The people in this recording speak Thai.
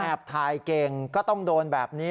ถ่ายเก่งก็ต้องโดนแบบนี้